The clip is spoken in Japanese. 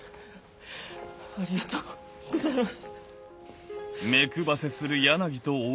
ありがとうございます。